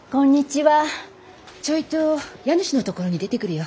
ちょいと家主のところに出てくるよ。